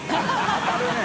当たるね。